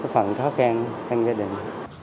phần khó khăn trong gia đình